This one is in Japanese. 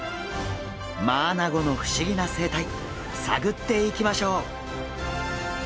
マアナゴの不思議な生態探っていきましょう！